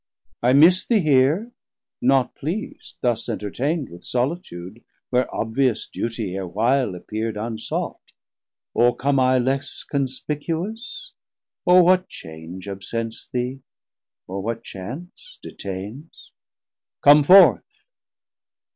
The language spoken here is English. I miss thee here, Not pleas'd, thus entertaind with solitude, Where obvious dutie erewhile appear'd unsaught: Or come I less conspicuous, or what change Absents thee, or what chance detains? Come forth.